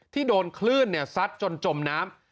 ที่โดนคลื่นซัดจนจมน้ำ